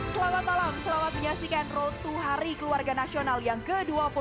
selamat malam selamat menyaksikan road to hari keluarga nasional yang ke dua puluh dua